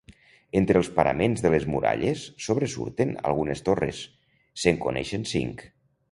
Entre els paraments de les muralles sobresurten algunes torres, se'n coneixen cinc.